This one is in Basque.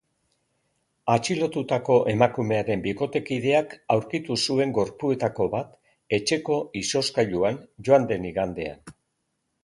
Atxilotutako emakumearen bikotekideak aurkitu zuen gorpuetako bat etxeko izozkailuan, joan den igandean.